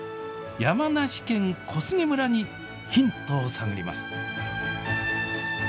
山梨県小菅村にヒントを探ります。